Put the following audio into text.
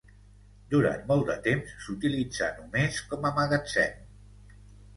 Durant molt de temps s'utilitzà només com a magatzem.